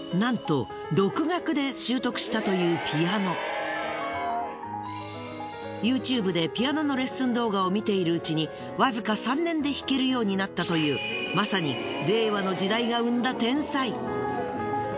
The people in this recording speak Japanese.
なんとＹｏｕＴｕｂｅでピアノのレッスン動画を見ているうちにわずか３年で弾けるようになったというまさに他にも。